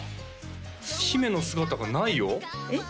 姫の姿がないよえっ？